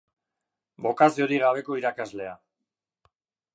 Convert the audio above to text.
Bokaziorik gabeko irakaslea.